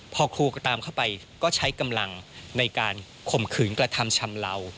พอครูก็ตามเข้าไปก็ใช้กำลังในการข่มขืนกระทำชำเลา